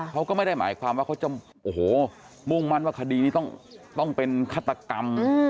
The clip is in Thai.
เขาก็ไม่ได้หมายความว่าเขาจะโอ้โหมุ่งมั่นว่าคดีนี้ต้องเป็นฆาตกรรม